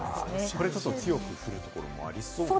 これはちょっと強く降る所もありそうですか？